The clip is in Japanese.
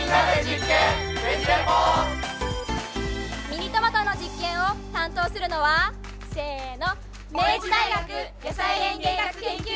ミニトマトの実験を担当するのはせの！